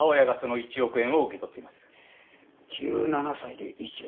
１７歳で１億。